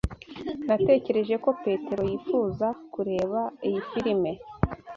Natekereje ko Petero yifuza kureba iyi firime.